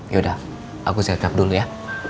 yaudah aku siap siap dulu ya